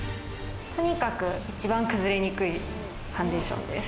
とにかく一番崩れにくいファンデーションです。